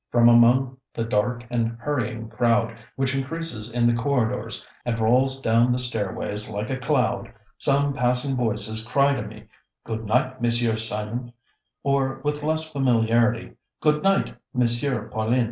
From among the dark and hurrying crowd, which increases in the corridors and rolls down the stairways like a cloud, some passing voices cry to me, "Good night, Monsieur Simon," or, with less familiarity, "Good night, Monsieur Paulin."